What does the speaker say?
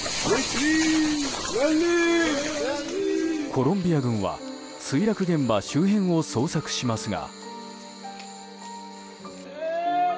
コロンビア軍は墜落現場周辺を捜索しますが。